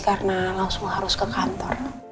karena langsung harus ke kantor